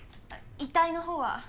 遺体のほうは？